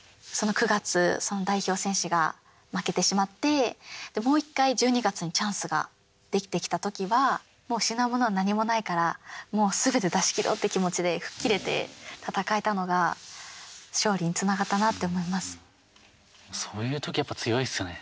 ９月、その代表選手が負けてしまってもう一回１２月にチャンスができたときはもう失うものは何もないからもうすべて出し切ろうって気持ちで吹っ切れて戦えたのがそういうときやっぱ強いですよね。